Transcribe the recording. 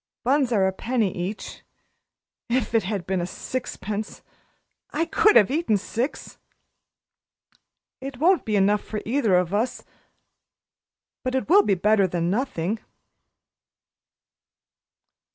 Buns are a penny each. If it had been sixpence! I could have eaten six. It won't be enough for either of us but it will be better than nothing."